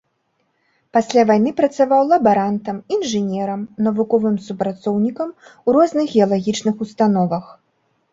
Пасля вайны працаваў лабарантам, інжынерам, навуковым супрацоўнікам у розных геалагічных установах.